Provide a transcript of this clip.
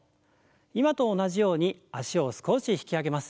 今と同じように脚を少し引き上げます。